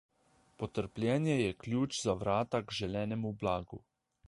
Potrpljenje je ključ za vrata k želenemu blagu.